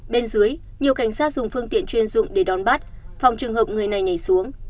bên dưới nhiều cảnh sát dùng phương tiện chuyên dụng để đón bắt phòng trường hợp người này nhảy xuống